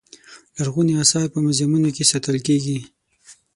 لرغوني اثار په موزیمونو کې ساتل کېږي.